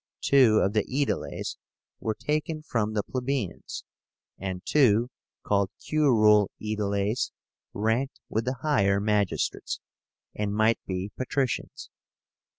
Two of the Aediles were taken from the plebeians, and two, called Curule Aediles, ranked with the higher magistrates, and might be patricians.